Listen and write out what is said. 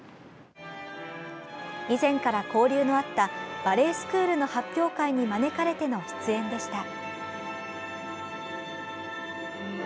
以前から交流のあったバレエスクールの発表会に招かれての出演でした。